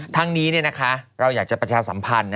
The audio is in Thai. ทั้งนี้เราอยากจะประชาสัมพันธ์